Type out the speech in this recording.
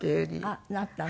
あっなったの。